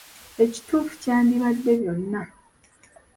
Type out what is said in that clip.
"Ekituufu kyandibadde ""byonna."""